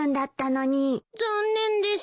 残念です。